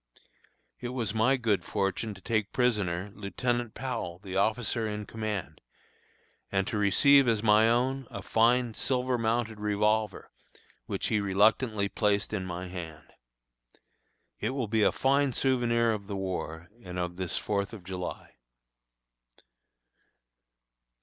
It was my good fortune to take prisoner Lieutenant Powell, the officer in command, and to receive as my own a fine silver mounted revolver, which he reluctantly placed in my hand. It will be a fine souvenir of the war and of this Fourth of July.